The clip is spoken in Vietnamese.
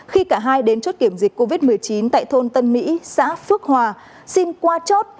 khi cả hai đến chốt kiểm dịch covid một mươi chín tại thôn tân mỹ xã phước hòa xin qua chốt